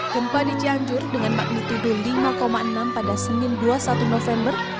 gempa di cianjur dengan magnitudo lima enam pada senin dua puluh satu november